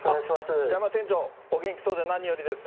平山店長、お元気そうで何よりです。